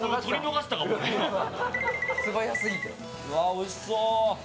おいしそう！